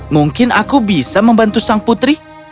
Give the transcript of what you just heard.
mungkin aku bisa membantu sang putri